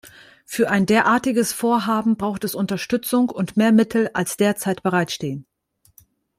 Für ein derartiges Vorhaben braucht es Unterstützung und mehr Mittel, als derzeit bereitstehen.